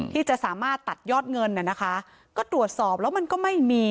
ที่จะสามารถตัดยอดเงินน่ะนะคะก็ตรวจสอบแล้วมันก็ไม่มี